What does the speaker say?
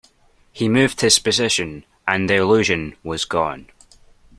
He moved his position, and the illusion was gone.